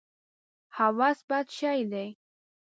هوس بد شی دی.